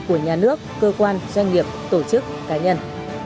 của nhà nước cơ quan doanh nghiệp tổ chức cá nhân